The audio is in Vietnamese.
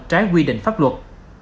trái quy định pháp luật